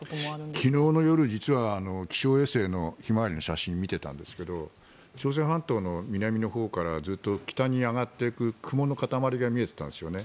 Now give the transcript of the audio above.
昨日の夜実は気象衛星のひまわりの写真を見ていたんですが朝鮮半島の南のほうからずっと北に上がっていく雲の塊が見えていたんですよね。